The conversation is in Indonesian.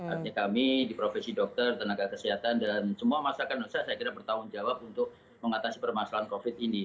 artinya kami di profesi dokter tenaga kesehatan dan semua masyarakat indonesia saya kira bertanggung jawab untuk mengatasi permasalahan covid ini